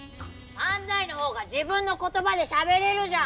漫才の方が自分の言葉でしゃべれるじゃん！